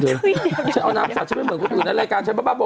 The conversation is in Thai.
เอาน้ำสัตว์ฉันไม่เหมือนคนอื่นนะรายการฉันบ้าบ่อ